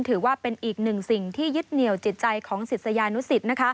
ถือว่าเป็นอีกหนึ่งสิ่งที่ยึดเหนียวจิตใจของศิษยานุสิต